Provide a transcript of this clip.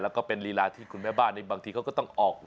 แล้วก็เป็นลีลาที่คุณแม่บ้านบางทีเขาก็ต้องออก